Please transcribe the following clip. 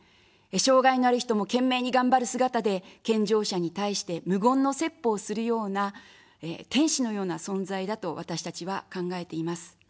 障害のある人も懸命に頑張る姿で、健常者に対して無言の説法をするような、天使のような存在だと私たちは考えています。